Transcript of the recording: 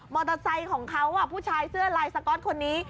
ไซค์ของเขาผู้ชายเสื้อลายสก๊อตคนนี้